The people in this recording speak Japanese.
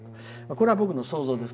これは僕の想像です。